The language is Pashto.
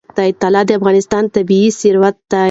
طلا د افغانستان طبعي ثروت دی.